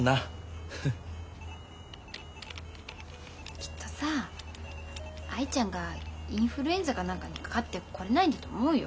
きっとさ藍ちゃんがインフルエンザか何かにかかって来れないんだと思うよ。